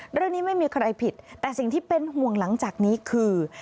ไม่มีใครผิดแต่สิ่งที่เป็นห่วงหลังจากนี้คือ